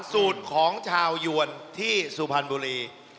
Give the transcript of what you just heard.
สูตรของชาวยวนที่สุพรรณบุรี